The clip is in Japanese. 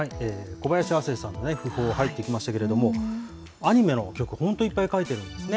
小林亜星さんの訃報、入ってきましたけれども、アニメの曲、本当、いっぱい書いてるんですね。